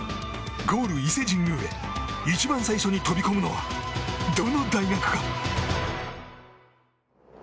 ゴール、伊勢神宮へ一番最初に飛び込むのはどの大学か。